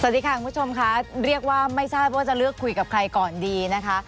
สวัสดีค่ะคุณผู้ชมค่ะเรียกว่าไม่ทราบว่าจะเลือกคุยกับใครก่อนดีนะคะ